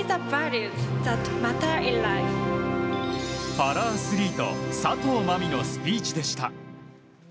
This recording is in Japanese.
パラアスリート佐藤真海のスピーチでした。